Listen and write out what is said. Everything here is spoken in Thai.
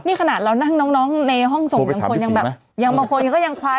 นี่ขนาดเรานั่งน้องในห้องส่งโทรไปถามที่สิงไหมยังมาโพยก็ยังควาย